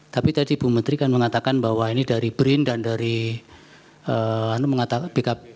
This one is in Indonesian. tapi tadi bu menteri kan mengatakan bahwa ini dari brin dan dari backup